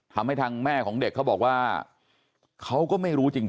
ทำให้ทางแม่ของเด็กเขาบอกว่าเขาก็ไม่รู้จริง